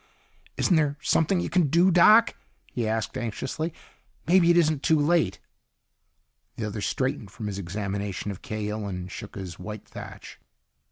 "Isn't there something you can do, Doc?" he asked anxiously. "Maybe it isn't too late." The other straightened from his examination of Cahill and shook his white thatch.